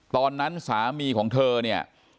ตอนนั้นสามีของเธอเนี่ย